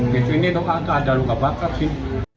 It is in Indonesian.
jadi ini tuh ada luka bakar sih